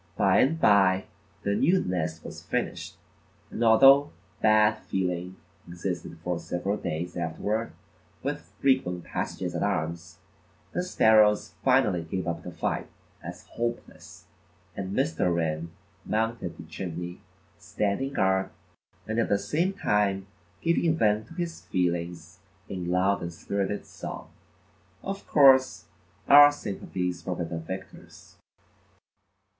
By and by the new nest was finished, and although bad feeling existed for several days afterward, with frequent passages at arms, the sparrows finally gave up the fight as hopeless, and Mr. Wren mounted the chimney, standing guard, and at the same time giving vent to his feelings in loud and spirited song. Of course, our sympathies were with the victors.